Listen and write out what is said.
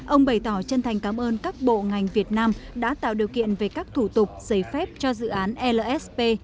ông bày tỏ chân thành cảm ơn các bộ ngành việt nam đã tạo điều kiện về các thủ tục giấy phép cho dự án lsp